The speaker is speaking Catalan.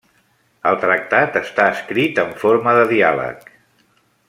El tractat està escrit en forma de diàleg.